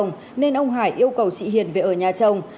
nên ông hải yêu cầu chị hiền về ở nhà chồng